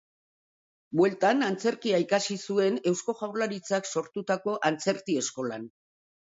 Bueltan, antzerkia ikasi zuen Eusko Jaurlaritzak sortutako Antzerti eskolan.